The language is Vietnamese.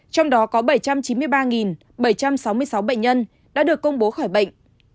trong đó có bảy trăm chín mươi ba bảy trăm sáu mươi sáu bệnh nhân đã được công bố khỏi bệnh